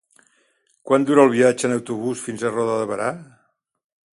Quant dura el viatge en autobús fins a Roda de Berà?